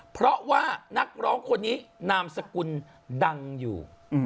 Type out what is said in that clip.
เพราะว่านักร้องคนนี้นามสกุลดังอยู่